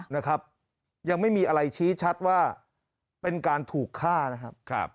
นะครับยังไม่มีอะไรชี้ชัดว่าเป็นการถูกฆ่านะครับ